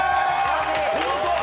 見事！